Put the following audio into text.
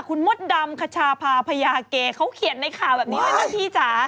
คุณมดดำขชาพาพยาเกย์เขาเขียนในข่าวแบบนี้ไว้ต้องพี่จ๊ะ